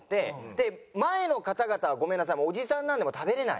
で前の方々はごめんなさいおじさんなんでもう食べれない。